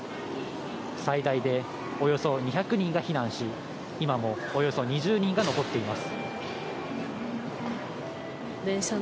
最大でおよそ２００人が避難し、今も、およそ２０人が残っています。